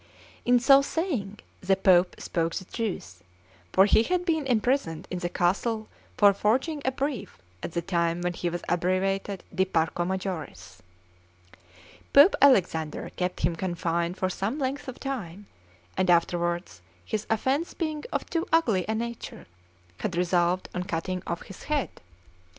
In so saying the Pope spoke the truth: for he had been imprisoned in the castle for forging a brief at the time when he was abbreviator 'di Parco Majoris.' Pope Alexander kept him confined for some length of time; and afterwards, his offence being of too ugly a nature, had resolved on cutting off his head.